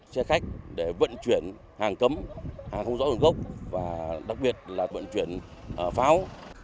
xe khách để vận chuyển hàng cấm hàng không rõ nguồn gốc và đặc biệt là vận chuyển pháo